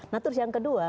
nah terus yang kedua